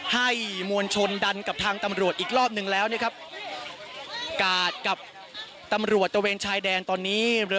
ให้มวลชนดันกับทางตำรวจอีกรอบหนึ่งแล้วนะครับกาดกับตำรวจตะเวนชายแดนตอนนี้เรือ